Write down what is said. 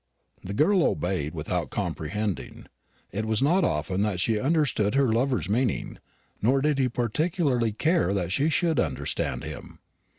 The girl obeyed without comprehending. It was not often that she understood her lover's meaning, nor did he particularly care that she should understand him.